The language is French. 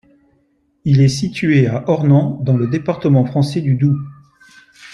Il est situé à Ornans dans le département français du Doubs.